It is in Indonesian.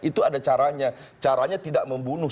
itu ada caranya caranya tidak membunuh